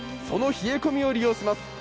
その冷え込みを利用します